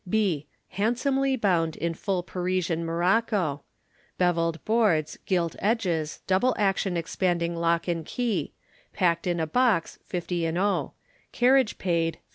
B. Handsomely bound in full Persian morocco, bevelled boards, gilt edges, double action expanding lock and key; packed in a box, 50/ ; carriage paid, 51